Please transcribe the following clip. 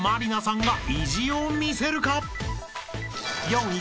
４位。